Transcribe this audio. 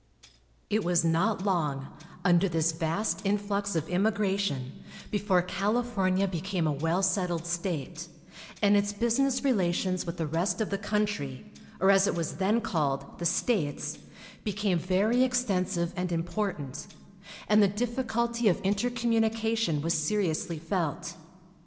It was not long, under this vast influx of immigration, before California became a well settled state, and its business relations with the rest of the country, or as it was then called, "The States," became very extensive and important, and the difficulty of intercommunication was seriously felt.